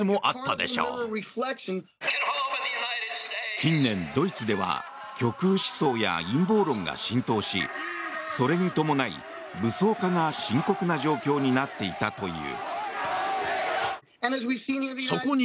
近年、ドイツでは極右思想や陰謀論が浸透しそれに伴い、武装化が深刻な状況になっていたという。